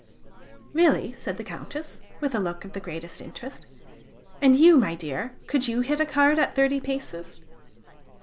"Really?" said the Countess, with a look of the greatest interest. "And you, my dear, could you hit a card at thirty paces?"